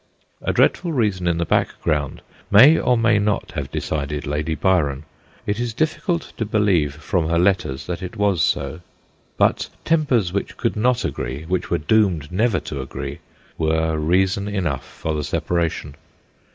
A dreadful reason in the background may or may not have decided Lady Byron ; it is difficult to believe from her letters that it was so. But tempers which could not agree, which were doomed never to agree, were reason enough for the separation.